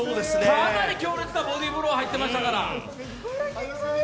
かなり強烈なボディーブロー入っていましたから。